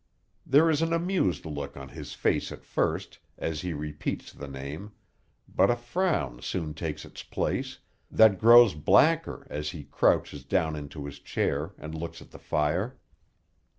There is an amused look on his face at first, as he repeats the name, but a frown soon takes its place, that grows blacker as he crouches down into his chair, and looks at the fire.